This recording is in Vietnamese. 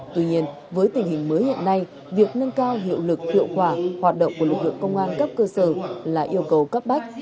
tuy nhiên với tình hình mới hiện nay việc nâng cao hiệu lực hiệu quả hoạt động của lực lượng công an cấp cơ sở là yêu cầu cấp bách